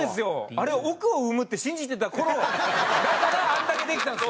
あれ億を生むって信じてた頃だからあんだけできたんです。